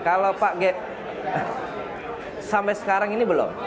kalau pak g sampai sekarang ini belum